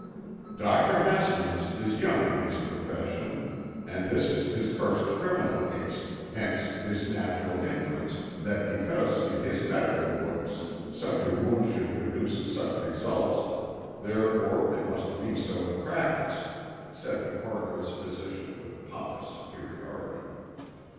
"Dr. Haskins is young in his profession and this is his first criminal case, hence his natural inference that because in his medical books such a wound should produce such results, therefore it must be so in practice," said the coroner's physician, with pompous superiority.